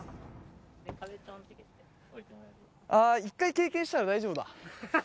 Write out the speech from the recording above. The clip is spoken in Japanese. あー、一回経験したら大丈夫だ。